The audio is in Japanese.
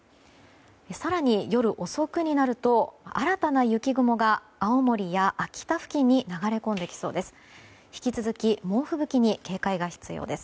更に、夜遅くになると新たな雪雲が青森や秋田付近に流れ込んできそうです。